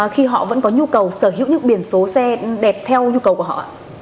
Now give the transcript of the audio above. khi họ vẫn có nhu cầu sở hữu những biển số xe đẹp theo nhu cầu của họ